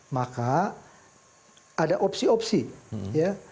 maka ada opsi opsi ya